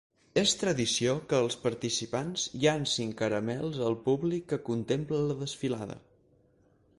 És tradició que els participants llancin caramels al públic que contempla la desfilada.